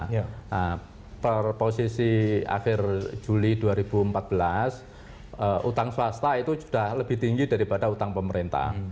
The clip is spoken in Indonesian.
nah per posisi akhir juli dua ribu empat belas utang swasta itu sudah lebih tinggi daripada utang pemerintah